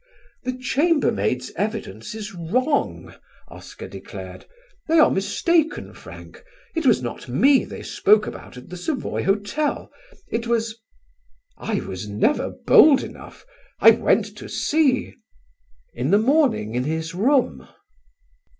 "The chambermaids' evidence is wrong," Oscar declared. "They are mistaken, Frank. It was not me they spoke about at the Savoy Hotel. It was . I was never bold enough. I went to see in the morning in his room."